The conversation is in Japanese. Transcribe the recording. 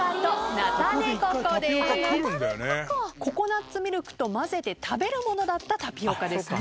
ココナツミルクとまぜて食べるものだったタピオカですね。